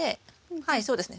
はいそうですね。